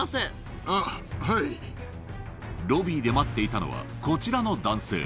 ロビーで待っていたのはこちらの男性